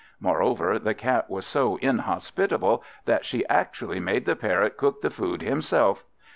Moreover, the Cat was so inhospitable, that she actually made the Parrot cook the food himself!